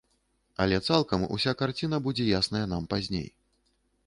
Але цалкам уся карціна будзе ясная нам пазней.